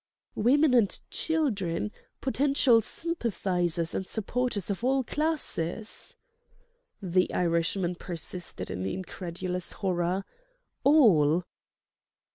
"Women and children, potential sympathizers and supporters of all classes?" the Irishman persisted in incredulous horror—"all?"